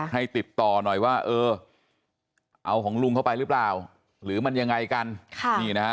ให้ติดต่อหน่อยว่าเออเอาของลุงเข้าไปหรือเปล่าหรือมันยังไงกัน